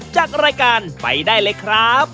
จากรายการไปได้เลยครับ